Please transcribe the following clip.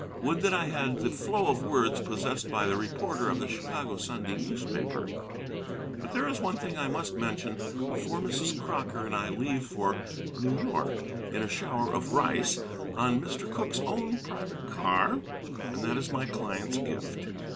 Would that I had the flow of words possessed by the reporter of the Chicago Sunday newspaper! But there is one thing I must mention before Mrs. Crocker and I leave for New York, in a shower of rice, on Mr. Cooke's own private car, and that is my client's gift.